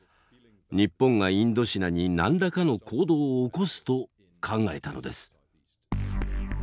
日本がインドシナに何らかの行動を起こすと考えたのです。